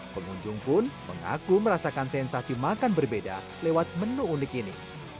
pengunjung pun mengaku merasakan sensasi makan berbeda lewat menu unik ini